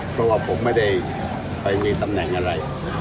เพราะว่าผมไม่ได้ไปมีตำแหน่งอะไร